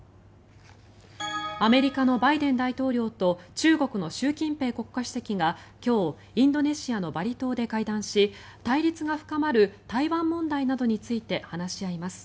アメリカのバイデン大統領と中国の習近平国家主席が今日インドネシアのバリ島で会談し対立が深まる台湾問題などについて話し合います。